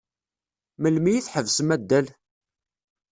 Melmi i tḥebsem addal?